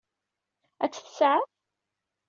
Ad tt-tsaɛef?